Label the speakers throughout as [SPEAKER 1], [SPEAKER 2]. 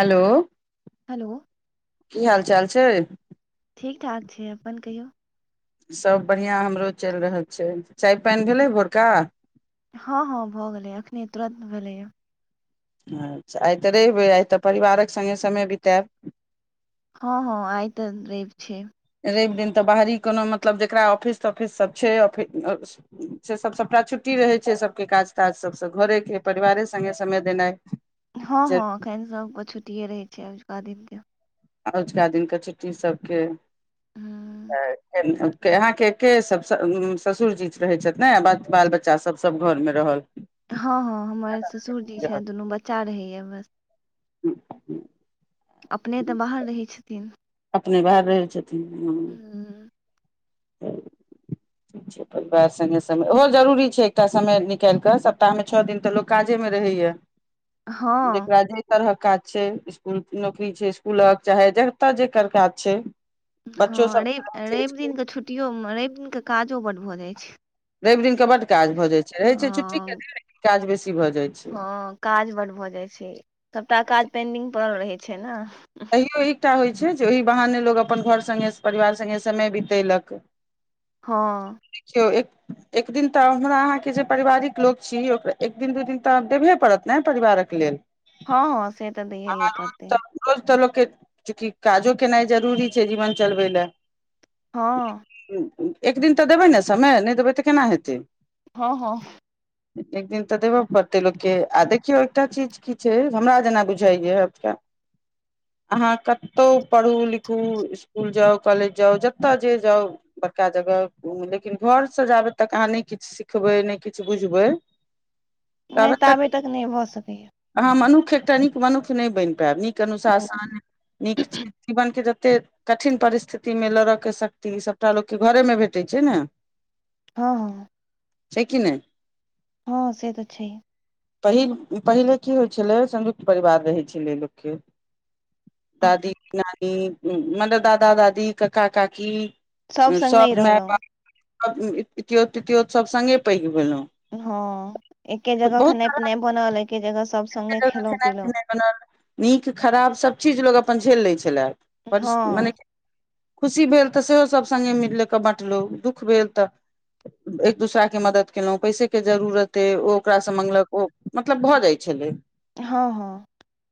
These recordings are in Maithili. [SPEAKER 1] हलो
[SPEAKER 2] हलो
[SPEAKER 1] की हाल चाल छै
[SPEAKER 2] ठीक ठाक छै अपन कहियौ
[SPEAKER 1] सब बढ़िया हमरो चैल रहल छै चाय पाइन भेलै भोरका
[SPEAKER 2] हँ हँ भऽ गेलै एखने तुरत भेलैय
[SPEAKER 1] अच्छा आइ तऽ रवि एय आइ तऽ संगे समय बिताएब
[SPEAKER 2] हँ - हँ आइ तऽ रवि छै
[SPEAKER 1] रवि दिन तऽ बाहरी कोनो मतलब जकरा ऑफिस तॉफिस सब छै ऑफि - अस से सभ सभटा छुट्टी रहै छै सब केँ काज ताज सब सँ घरे केँ परिवारे संगे समय देनाइ
[SPEAKER 2] हँ हँ
[SPEAKER 1] जरूरी।
[SPEAKER 2] अखैन सब कऽ छुट्टिये रहै छै अजुका दिन केँ
[SPEAKER 1] अजुका दिन केँ छुट्टी सब केँ
[SPEAKER 2] हूँ
[SPEAKER 1] अहाँकेँ केँ सब सँ ससुर जी रहै छथि नय आ बाल बच् चा सब सब घर मे रहल
[SPEAKER 2] हँ हँ हमर ससुरजी छथि दुनू बच्चा रहैय बस
[SPEAKER 1] हूँ हूँ
[SPEAKER 2] अपने तऽ बाहर रहै छथिन
[SPEAKER 1] अपने बाहर रहै छथिन हुँ
[SPEAKER 2] हूँ
[SPEAKER 1] ठीक छै परिवार संगे समय ओहो जरूरी छै एकटा समय निकालिक सप्ताह मे छ दिन तऽ लोक काजे मे रहैय
[SPEAKER 2] हँ
[SPEAKER 1] जेकरा जे जैय तरहक काज छै इ स्कुल नौकरी छै इस्कूलक चाहे जतऽ जेकर काज छै बच्चो
[SPEAKER 2] हँ रवि रवि
[SPEAKER 1] सब
[SPEAKER 2] दिन कऽ छुट्टियो रवि दिन कऽ काजो बड्ड भऽ जाइ छै
[SPEAKER 1] रवि दिन कऽ बड्ड काज भऽ जाइ छै रहै छै छुट्टी केँ
[SPEAKER 2] हँ
[SPEAKER 1] दिन लेकिन काज बेसी भऽ जाइ छै
[SPEAKER 2] हँ काज बड भ जाइ छै सभटा काज पेंडिंग पडरल रहै छै ने।
[SPEAKER 1] इहो एकटा होइ छै जे ओहि बहाने लोक अपन घर संगे परिवार संगे समय बितेलक
[SPEAKER 2] हँ।
[SPEAKER 1] देखियौ एक। एक दिन तऽ हमरा अहाँके जे पारिवारिक लोक छी ओकरा एक दिन दू दिन तऽ देबहे पड़त ने परिवारक लेल।
[SPEAKER 2] हँ हँ से तऽ दै
[SPEAKER 1] आ रोज
[SPEAKER 2] पड़तै
[SPEAKER 1] तऽ रोज तऽ लोक कऽ चूँकि काजो केनाइ जरूरी छै जीवन चलबै लए
[SPEAKER 2] हँ
[SPEAKER 1] एक दिन तऽ देबै ने समय नहि देबै तऽ केना हेतै
[SPEAKER 2] हँ हँ
[SPEAKER 1] एक दिन तऽ देबय पड़तै लोककेँ आ देखियौ एकटा चीज की छै हमरा जेना बुझाइए यो अहाँ कतो पढ़ू लिखू इसकुल जाउ कॉलेज जाउ जतय जे जाउ बड़का जगह लेकिन घर सँ जाबै तक अहाँ नहि किछु सिखबै नहि किछु बुझबै। [inaudible]
[SPEAKER 2] नहि तऽ आबे तक नहि भऽ सकतेय
[SPEAKER 1] अहाँ मनुख्य एकटा नीक मनुष्य नहि बनि पायब नीक अनुशासन नीक छै जीवन के जते कठिन परिस्थितिमे लड़यके शक्ति सभटा लोकके घरेमे भेटै छै ने
[SPEAKER 2] हँ हँ।
[SPEAKER 1] छै कि नहि
[SPEAKER 2] हँ से तऽ छै।
[SPEAKER 1] पहिल पहिले की होइत छलै संयुक्त परिवार रहैत छलै लोक के दादी नानी मतलब दादा दादी काका काकी
[SPEAKER 2] संगहि
[SPEAKER 1] सभ माय
[SPEAKER 2] रहलहुँ
[SPEAKER 1] बाप पियोत पितियोत सभ संगे पैघ भेलहुँ
[SPEAKER 2] हँ एके जगह खेनाइ पिनाइ बनल एके जगह सब।
[SPEAKER 1] खेनाइ खेनाइ पिनाय बनल नीक खराब सभ चीज लोको अपन झेल लै छलै परि मने
[SPEAKER 2] हँ
[SPEAKER 1] खुशी भेल तऽ सेहो सभ संगे मिलि कऽ बाँटलहुँ दुःख भेल एक दूसरा के मदद केलहुँ पैसे के जरूरत अ ओ ओकासँ मंगल कऽ ओ मतलब भऽ जाइत छलै।
[SPEAKER 2] हँ हँ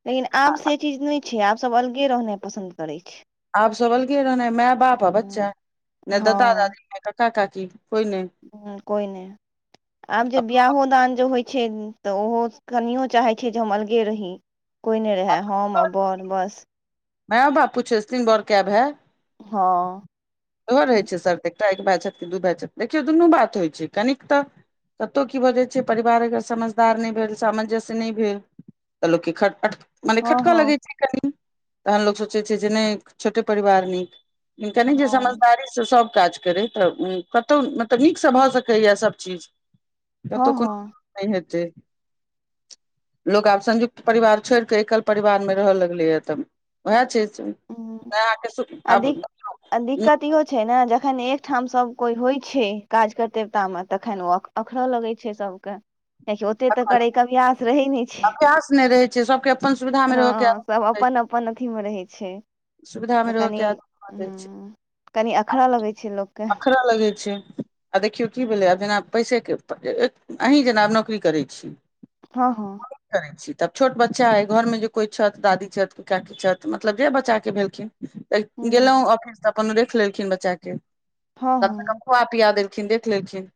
[SPEAKER 2] लेकिन
[SPEAKER 1] आ
[SPEAKER 2] आब से चीज नहि छै आब सभ अलगे रह नाइ पसन्द करैत छै
[SPEAKER 1] आप सब अलगे रहना है मायं बाप है बच्चा य दादा दादी य क का कााकी कोइ नहि ने
[SPEAKER 2] हँ कोइ नहि आब जे बियाहो दान जे होइत छै तऽ ओहो कनियओ चाहैत छै जे हम अलगे रही कोइ नहि रहय हम आ बन बस
[SPEAKER 1] मै बापू छै दिन बड़ कैब है
[SPEAKER 2] हँ हँ
[SPEAKER 1] त रहै छै सरद एकटा एक भाइ छथित कि दू भाइ छथित देखियौ दुनू बात होइ छै कनिक तऽ कतहु की बजै छै परिवार अगर समझदार नहि भेल सामंजस्य नहि भेल तलो की ख [unintelligible] मने
[SPEAKER 2] हँ
[SPEAKER 1] खटकऽ
[SPEAKER 2] हँ
[SPEAKER 1] लगै छै कनि तहन लोको सोचै छै जे नहि छोटे परिवार नीक कनी जे
[SPEAKER 2] हँ
[SPEAKER 1] समझदारी से सब काज करै तऽ कतहु मतलब नीकसँ भऽ सकैए सभ चीज
[SPEAKER 2] हँ
[SPEAKER 1] कतहु
[SPEAKER 2] हँ
[SPEAKER 1] कोनो नहि हेतै लोक आब संयुक्त परिवार छोड़ एकल परिवार मे रहय लगले ह तऽ उएहा छै अहाँके
[SPEAKER 2] ह
[SPEAKER 1] आब
[SPEAKER 2] अी दिक्कत इहो छै ने जखन एकठाम सभ कोइ होइ छै काज कर्तेवटा मे तखन ओ अखरऽ लगै छै सब के कियाकि ओते तऽ करै के अभ्यास रहै नै
[SPEAKER 1] अभ्यास नय रहै छै सबके अपन सुविधा में रहय के
[SPEAKER 2] सब अपन अपन अथी मे रहै छै
[SPEAKER 1] सुविधा मे
[SPEAKER 2] तऽ
[SPEAKER 1] रहके
[SPEAKER 2] कनि
[SPEAKER 1] आदत भऽ जाइ छै
[SPEAKER 2] हूँ कनि अखरा लगै छै लोकके
[SPEAKER 1] अखरा लगै छै आ देखियौ की भेलै आब जेना पैसे के अहीँ जेना आब नौकरी करै छी
[SPEAKER 2] हँ हँ
[SPEAKER 1] की करै छी तब छोट बच्चा ऐ घर में जे कोइ छथि दादी छथि कोइ काकी छथि मतलब जे बच्चा भेलखिन
[SPEAKER 2] ह
[SPEAKER 1] गेलो ऑफिस तऽ अपन रैख लेलखिन बच्चा के
[SPEAKER 2] हँ हँ
[SPEAKER 1] तखेन ओ खुवा पिया देलखिन देख लेलखिन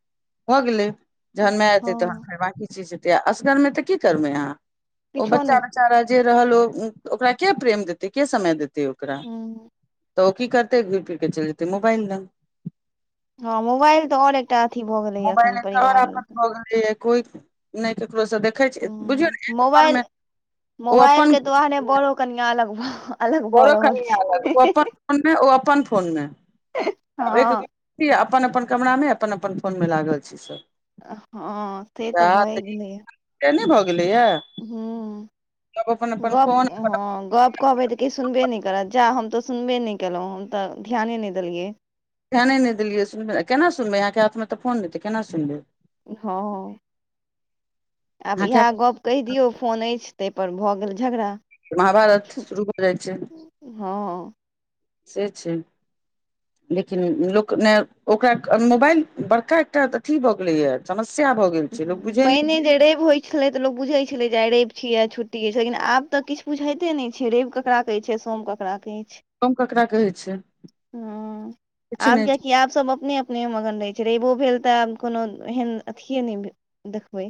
[SPEAKER 1] भऽ गेलै जहन माय एतै तहन
[SPEAKER 2] हँ
[SPEAKER 1] फेर बाकी असगर में तऽ की करबै अहाँ ओ
[SPEAKER 2] किछो
[SPEAKER 1] बच्चा
[SPEAKER 2] नहि
[SPEAKER 1] बच्चा जे रहल ओ ओकरा के प्रेम देतै के समय देतै ओकरा
[SPEAKER 2] ह
[SPEAKER 1] तऽ ओ की करतै घुर फिर के चैल जेतै मोबाइल लग
[SPEAKER 2] हँ मोबाइल तऽ ओर एकटा अथी भऽ गेलैए
[SPEAKER 1] मोबाइल
[SPEAKER 2] एखन
[SPEAKER 1] एक आओर
[SPEAKER 2] परिवार
[SPEAKER 1] आफत
[SPEAKER 2] ले
[SPEAKER 1] भऽ कोइ नय ककरो सँ देखै छै बुझियौ
[SPEAKER 2] हम्म,
[SPEAKER 1] ने एक घर में ओ अपन
[SPEAKER 2] कनिये बड़ो कनिया लग भ
[SPEAKER 1] बड़ो कनिया अलग ओ अपन फोन मे ओ अपन फोन मे रहै
[SPEAKER 2] हँ
[SPEAKER 1] छथिन अपन अपन कमरा में अपन अपन फोन में लागल छै सब
[SPEAKER 2] हँ से तऽ भए गेलैए
[SPEAKER 1] किए नय भऽ गेलैए
[SPEAKER 2] हूँ गप
[SPEAKER 1] फोन
[SPEAKER 2] हँ गप कहबै तऽ किछ सुनबे नय करत जा हम तऽ सुनबे नय केलो हम तऽ ध्याने नय देलियैए
[SPEAKER 1] ध्याने नै देलियैए सुनबे केना सुनबै अहाँके हाथ में तऽ फोन ऐ तो केना सुनबै
[SPEAKER 2] हँ आब
[SPEAKER 1] अहाँके
[SPEAKER 2] इहे
[SPEAKER 1] हाथमे
[SPEAKER 2] गप केह दियौ फोन ऐछ ताहिपर भऽ गेल झगड़ा
[SPEAKER 1] महाभारत शुरू भऽ जाइ छै
[SPEAKER 2] हँ
[SPEAKER 1] से छै लेकिन लोक ने ओकरा मोबाइल बड़का एकटा अथी भऽ गेलैए समस्या भए गेल छै लोक बुझै नय
[SPEAKER 2] पहिने
[SPEAKER 1] छै
[SPEAKER 2] जे रवि होइ छलै तऽ लोक बुझै छलै जे आइ रैब छियै आइ छुट्टी ऐछ लेकिन आब तऽ कित बुझाइते नय छै रैब ककरा कहै छै सोम कक रा कहै छै
[SPEAKER 1] हम ककरा कहै छै
[SPEAKER 2] हूँ
[SPEAKER 1] किछु
[SPEAKER 2] आब
[SPEAKER 1] नहि
[SPEAKER 2] किया कि आब सब अपने अपने मगन रहै छै रैबो भेल तब कोनो एहन अथिये नै देखबै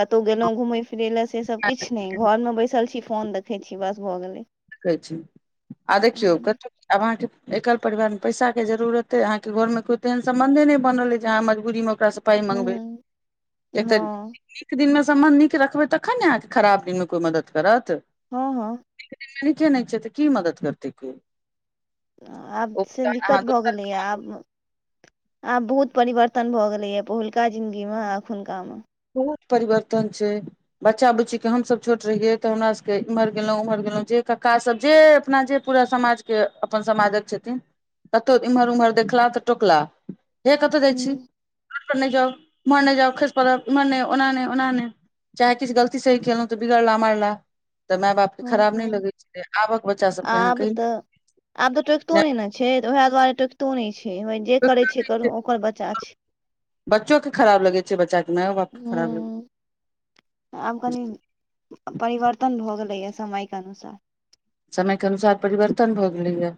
[SPEAKER 2] कतौ गेलों घुमै फिरै ले से सब किछ नै
[SPEAKER 1] छै
[SPEAKER 2] घर में बैसल छी फोन देखैत छी बस भऽ गेलै
[SPEAKER 1] कहै छी आ देखियौ कतो आब अहाँ के एकल परिवार में पैसा के जरूरत ऐ आहा के घर मे कोइ तेहन समबंधे नै बनल ऐ जे अहाँके मजबूरी में ओकरा सँ पाइ
[SPEAKER 2] ह
[SPEAKER 1] मँगबै किया तऽ
[SPEAKER 2] हँ
[SPEAKER 1] नीक दिन में सम्बन्ध नीक रखबै तखन ने अहाँके खराब दिन में कोइ मदद करत
[SPEAKER 2] हँ हँ
[SPEAKER 1] ठीके नय छै तऽ की मदद करतै कोइ
[SPEAKER 2] आब
[SPEAKER 1] ओ
[SPEAKER 2] से
[SPEAKER 1] अहाँ
[SPEAKER 2] दिक्कत भऽ गेलैया
[SPEAKER 1] दोसर
[SPEAKER 2] आब आब बहुत परिवर्तन भए गेलैये पहिलका जिनगी में अखुनका में
[SPEAKER 1] बहुत परिवर्तन छै बच्चा बुच्ची के हमसभ छोट रहियै तऽ हमरा सभके एम्हर गेलो ओम्हर गेलहुँ जे कक्का सभ जे अपना जे पूरा समाजके अपन समाजक छथिन कतहु इम्हर उम्हर देखलाह तऽ टोकलाह हे कत्त जाइ छी
[SPEAKER 2] हँ
[SPEAKER 1] नहि जाउ ओमहर नहि जाउ खैस पड़ब एमहर नै ओना नै ओना नै चाहे किछ गलती सही केलहुं तऽ बिगड़ला मारला तऽ माय बापके खराब नहि
[SPEAKER 2] हँ
[SPEAKER 1] लगै छलै आबक बच्चा सबके अहाँ
[SPEAKER 2] आब
[SPEAKER 1] कहियौ
[SPEAKER 2] तऽ आब तऽ टोकितो नहि ने छै ओएह दुआरे टो- कितो नहि छै जे करै छै करू ओकर बच्चा छै
[SPEAKER 1] बच्चोके खराब लगै छै बच्चाके मायओ बापके खराब लगै छै
[SPEAKER 2] ह आब कनि परिवर्तन भऽ गेलैए समयके अनुसार
[SPEAKER 1] समय के अनुसार परिवर्तन भऽ गेलै या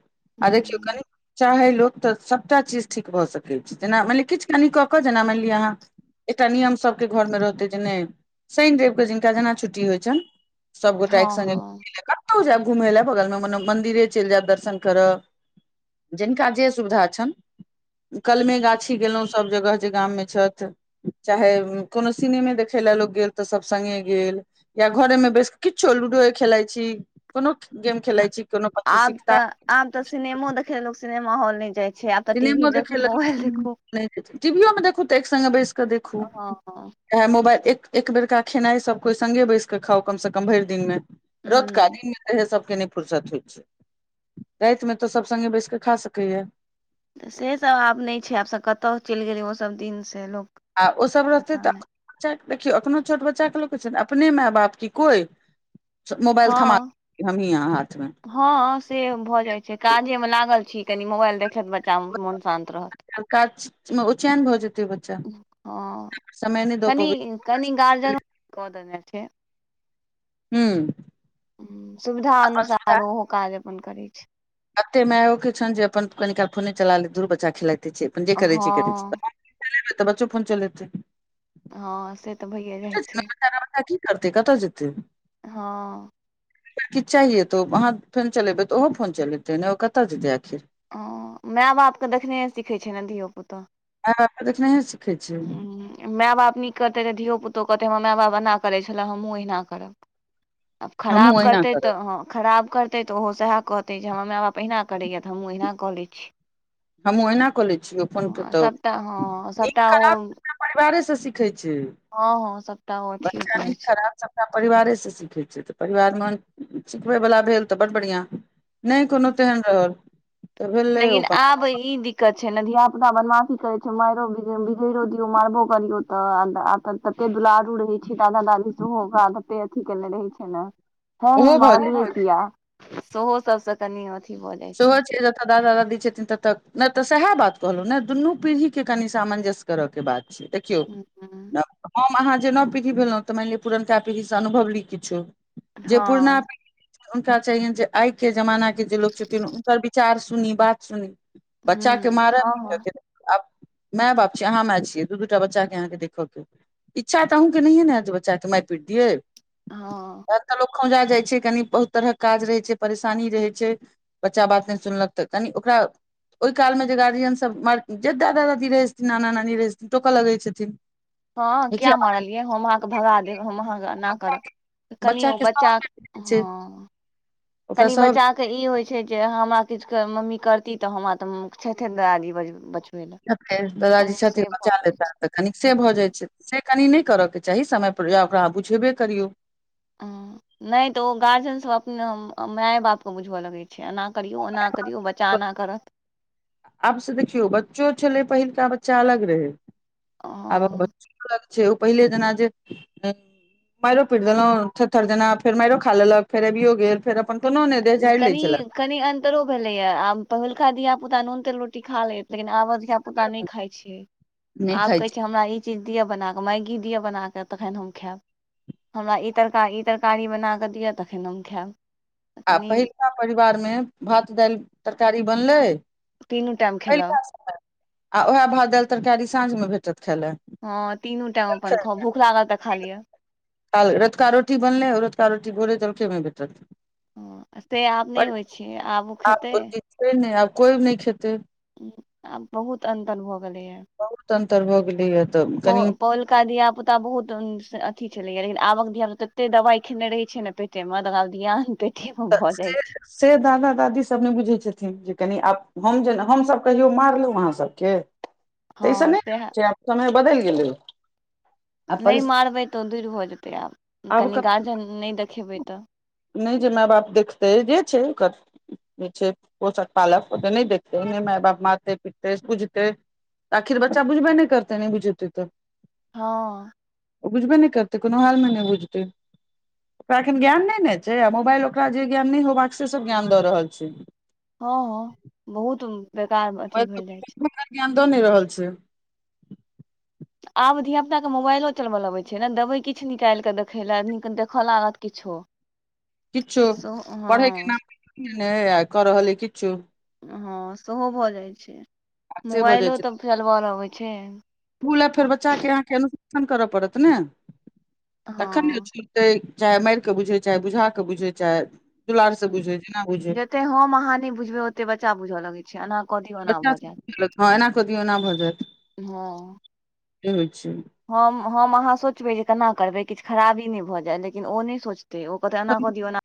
[SPEAKER 1] आ देखियौ कनि
[SPEAKER 2] हँ
[SPEAKER 1] चाहे लोक तऽ सभटा चीज ठीक भऽ सकै छै जेना मानि लिअ किछ कनि कऽ कऽ जेना मानि लिअ अहाँ एकटा नियम सबके घरमे रहतै जे नहि शनि रैव के जिनका जेना छुट्टी होइ छनि सभगोटा एक संगे
[SPEAKER 2] हँ
[SPEAKER 1] मिल कए कतहु जायब घुमय लए बगल मे मने मन्दिरे चलि जायब दर्शन करऽ जिनका जे सुविधा छनि कलमे गाछी गेलहुँ सभ जगह जे गाम मे छथि चाहे कोनो सिनेमे देखै ला लोक गेल तऽ सभ सङ्गे गेल या घोरेमे बैस किछो लूडोए खेलाइ छी कोनो गेम खेलाइत छी कोनो पचीसी
[SPEAKER 2] आब तऽ
[SPEAKER 1] किताब
[SPEAKER 2] आब तऽ सिनेमो देखेय ला लोक सिनेमा हॉल नहि जाइ छै आब तऽ टी भी देखू मोबइल देखू
[SPEAKER 1] टीवीओ मे देखू तऽ एक सङ्गे बैस कऽ देखू
[SPEAKER 2] हँ हूँ
[SPEAKER 1] इएह मोबाइल एक बेरका खेनाइ सभ कोइ सङ्गे बैस कऽ खाउ कमसँ कम भरि दिनमे रोतका दिन इहे सबके नहि फुर्सत होइ छै राइतमे तऽ सब सङगे बैस क खा सकैया
[SPEAKER 2] सेसभ आब नहि छै आब सभ कतय चलि गेलै ओसभ दिनसँ लोक
[SPEAKER 1] आ ओसभ रहतै
[SPEAKER 2] पता
[SPEAKER 1] तऽ
[SPEAKER 2] नहि
[SPEAKER 1] बच्चाके देखियौ अपनो छोट बच्चाके लोक छै ने अपने माय बाप की कोइ मोबाइल थमा हमी अहाँ हाथमे
[SPEAKER 2] हाँ से भऽ जाइ छै काजेमे लागल छी कनि मोबाइल देखैत बच्चा मोन शान्त रहत
[SPEAKER 1] आब काज छै ओ चैन भ जेतइ बच्चा
[SPEAKER 2] हँ
[SPEAKER 1] समय नहि द पबै
[SPEAKER 2] कनि कनि
[SPEAKER 1] छै।
[SPEAKER 2] गार्जियनो कऽ देने छै
[SPEAKER 1] हूँ
[SPEAKER 2] हूँ सुविधा
[SPEAKER 1] अपन
[SPEAKER 2] अनुसार ओहो काज अपन करै छै
[SPEAKER 1] कतेक मायओे छनि जे अपन कनि काल फोने चला लेतै धुर बच्चा खेलाइते छै अपन जे करै छै करै
[SPEAKER 2] हँ
[SPEAKER 1] छै तऽ बच्चो फोन चलेतै
[SPEAKER 2] हाँ से तऽ भइए जाइ छै
[SPEAKER 1] बच्चा की करतै कतऽ जेतै
[SPEAKER 2] हाँ
[SPEAKER 1] किछ चाहिये तऽ अहाँ फोन चलेबै तऽ ओहो फोन चलेतै नहि ओ कतय जेतै आखिर
[SPEAKER 2] ओ माय बापकेँ देखने सिखैत छै ने धियो पुताो
[SPEAKER 1] माय बाप के देखनेहे सीखै छै
[SPEAKER 2] ह माय बाप नीक करतै तऽ धियो पुतो कहतै हमर माय बाप एना करैत छलै हमहूँ अहिना करब अब
[SPEAKER 1] हमहूँ
[SPEAKER 2] खराब
[SPEAKER 1] ओहिना
[SPEAKER 2] करते
[SPEAKER 1] करब
[SPEAKER 2] तऽ हाँ खराब करते कहत तऽ ओहो सएह कहतै जे हमरा माय बाप अहिना करैए तऽ हमहँ ओहिना कऽ लय छी
[SPEAKER 1] हमहू एहिना कऽ ले छीओ फोन पे तऽ
[SPEAKER 2] सबटा हँ सबटा ओ
[SPEAKER 1] खराब परिवारे से सिखै छै
[SPEAKER 2] हँ हँ सबटा ओ अथिये
[SPEAKER 1] बच्चा
[SPEAKER 2] करै
[SPEAKER 1] नहि
[SPEAKER 2] छै
[SPEAKER 1] खराब खराब सभटा परिवारेसँ सीखै छियै तऽ परिवारमे सिखबै वला भेल तऽ बड बढ़िआँ नहि कोनो तेहन रहल तऽ भेलै ओ
[SPEAKER 2] लेकिन
[SPEAKER 1] अपन
[SPEAKER 2] आब ई दिक- -क्क्त छै ने धियापुता बदमाशी करै छै मारि बिगैड़दियौ मारबो करियौ तऽ आब तऽ तते दुलारू रहै छै दादा दादी सेहो ओकरा तते अथी केने रहे छै ने हाँ हाँ
[SPEAKER 1] ओहो भऽ जाइ
[SPEAKER 2] मारलियै किया सेहो सभसँ कनि अथी भऽ जाइ छै
[SPEAKER 1] आ दादा दादी छथिन त न नहि तऽ सएह बात कहलहुँ ने दुनू पीढ़ी के कनी सामंजस्य करऽ के बात छै देखियो
[SPEAKER 2] हँ हूँ
[SPEAKER 1] हम अहाँ जे नव पीढ़ी भेलहुँ तऽ मानि लिअ पुरनका पीढ़ीसँ अनुभव ली किछु जे पुरना
[SPEAKER 2] हँ
[SPEAKER 1] हुनका चाहियनि जे आइ के जमाना के जे लोक हुनकर विचार सुनी बात सुनी बच्चा के मारय पिटय
[SPEAKER 2] हँ
[SPEAKER 1] के नौ आब माय बाप छी अहाँ माय छियै दू दूटा बच्चा के अहाँके देखय के अइ इच्छा त अहूँ के नहिए नेै हेत जे बच्चाके मार पीट दियै
[SPEAKER 2] हाँ
[SPEAKER 1] बरका लोग खओंजा जाइ छै कनी बहुत तरहक काज रहै छै परेशानी रहै छै बच्चा बात नहि सुनलक तऽ कनि ओकरा ओहि कालमे जे गार्जियन सब मार के दादा दादी रहै छथिन नाना नानी रहै छथिन टोक लगै छथिन [inaudible]
[SPEAKER 2] हाँ किया
[SPEAKER 1] देखिये
[SPEAKER 2] मारलियै हम अहाँके भगा देब हम अहाँके एना करब कनि ओ
[SPEAKER 1] के सब
[SPEAKER 2] बच्चा
[SPEAKER 1] भेट जाइ छै
[SPEAKER 2] हँ
[SPEAKER 1] ओकरा
[SPEAKER 2] कनि
[SPEAKER 1] सब
[SPEAKER 2] बच्चा ई होइ छै जे हमरा किछ क मम्मी करती तऽ हमरा तऽ छैथे दादी बच-
[SPEAKER 1] त फेर दादाजी छथिन बचा लेता
[SPEAKER 2] छै
[SPEAKER 1] तऽ कनिक से भऽ जाइ छै से कनि नहि करयके चाही समय पर या ओकरा अहाँ बुझेबे करियौ
[SPEAKER 2] नहि तऽ ओ गार्जन सब अपने माये-बाप के बुझव लगै छै एना करियौ ओना करियौ बच्चा एना करत
[SPEAKER 1] आब से देखियौ बच्चो छेलै पहिलका बच्चा अलग रहै आबक
[SPEAKER 2] हँ
[SPEAKER 1] बच- फरक छै ओ पहिले जेना जे ए माइरो पीट देलहुँं थेथर जेना फेर माइरो खा लेलक फेर अबियो गेल फेर अपन कोनो नहि देह झाइर लै छलाह
[SPEAKER 2] तरो भेलैया आ पहुलका धिया-पुता नून-तेल रोटी खा लै लेकिन आबक धिया पुता नहि खाय छै
[SPEAKER 1] नहि
[SPEAKER 2] आब
[SPEAKER 1] खाइ
[SPEAKER 2] कहै छै हमरा इ चीज दिअ बना कऽ मैगी दिअ बना कऽ तखैन हम खैब हमरा ई तरकारी ई तरकारी बना कऽ दिअ तखन हम खैब
[SPEAKER 1] आ पहिलका परिवारमे भात-दाइल तरकारी बनलै
[SPEAKER 2] तीनू टाइम
[SPEAKER 1] पहिलका
[SPEAKER 2] खेलक
[SPEAKER 1] आर सब आ उएह भात-दैल तरकारी साँझमे भेटत खाय लए
[SPEAKER 2] हाँ तीनू टाइम अपन खाउ भूख लागल तऽ खा लिअ
[SPEAKER 1] काल रतका रोटी बनलैऔ रोतका रोटी भोरे जलखै मे भेटत
[SPEAKER 2] हाँ से आब नहि होइ छै आब ओ खेतै
[SPEAKER 1] से नई आब कोइ नहि खेतै
[SPEAKER 2] आब बहुत अन्तर भऽ गेलैया
[SPEAKER 1] बहुत अन्तर भऽ गेलैया तऽ कनी
[SPEAKER 2] पहुलका धिया-पु- ता बहुत स अथि छेलैया लेकिन आबक धिया-पुता तत्ते दवाई खेने रहे छै ने पेटेमे त ओकरा धियान हेतै
[SPEAKER 1] त से से दादा-दादी सब नै बुझै छथिन जे कनि आब हम जेना हमसभ कहियो मारलहु अहाँ सबके
[SPEAKER 2] हँ
[SPEAKER 1] त ईसभ नहि न
[SPEAKER 2] सएह
[SPEAKER 1] होय छै आब समय बदैल गेलै आ
[SPEAKER 2] नै
[SPEAKER 1] परिस्थिति
[SPEAKER 2] मारबै तऽ ओ दूइर भऽ जेतै आब कनि गार्जन नहि देखेबै तऽ
[SPEAKER 1] नहि जे मै बाप देखतै जे छै ओकर जे छै पोषक पालक ओ त नय देखतै नइ मै बाप मारतै पीटतै पूजतै आखिर बच्चा बुझबै नय करतै नय बुझेतै तऽ
[SPEAKER 2] हँ
[SPEAKER 1] ओ बुझबे नय करतै कोनो हाल में नय बुझतै ओकरा एखन ज्ञान नय न छै मोबाइल ओकरा जे ज्ञान नय होबाक से सब ज्ञान दऽ रहल छै
[SPEAKER 2] हँ हँ बहुत बेकार में
[SPEAKER 1] ज्ञान दऽ नय रहल छै
[SPEAKER 2] आब धिया पुता के मोबाइलो चलबल अबै छै ने देबै किछ निकाइल कऽ देखए लेए नीक देखअ लागत किछो
[SPEAKER 1] किछो
[SPEAKER 2] सेहो
[SPEAKER 1] पढ़ैके
[SPEAKER 2] हँ
[SPEAKER 1] नाम पर न आ कऽ रहल अइछ किछो
[SPEAKER 2] हँ सेहो भऽ जाइ छै
[SPEAKER 1] से भऽ
[SPEAKER 2] मोबाइलो तऽ चलबल अबै छै
[SPEAKER 1] ऊला फेर बच्चा के अहाँके अनुशासन करऽ पड़त ने तखन ने
[SPEAKER 2] हँ
[SPEAKER 1] चाहे माइर कऽ बुझै चाहे बुझा कऽ बुझै चाहे दुलार से बुझै जेना बुझै
[SPEAKER 2] जत्ते हम अहाँ नै बुझबै ओते बच्चा बुझऽ लगै छै एना कऽ दियौ ओना
[SPEAKER 1] बच्चा
[SPEAKER 2] भऽ जैत
[SPEAKER 1] हँ एना कऽ दियौ एना भऽ जैत
[SPEAKER 2] हँ
[SPEAKER 1] से होइ छै
[SPEAKER 2] हम हम अहाँ सोचबै जे केना करबै किछ खराबी नै भऽ जाय लेकिन ओ नै सोच ते ओ कतऽ एना कऽ दिऔ एना